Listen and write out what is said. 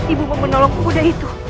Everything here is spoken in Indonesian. ibu mau menolong budak itu